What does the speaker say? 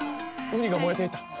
うにが燃えていた！